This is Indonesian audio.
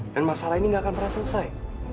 dan masalah ini gak akan pernah selesai